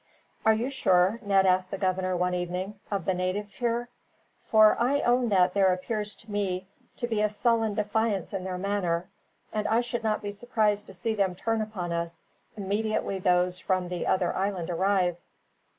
"Are you sure," Ned asked the governor one evening, "of the natives here? For I own that there appears to me to be a sullen defiance in their manner, and I should not be surprised to see them turn upon us, immediately those from the other island arrive.